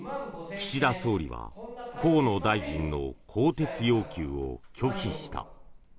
岸田総理は河野大臣の更迭要求を拒否した。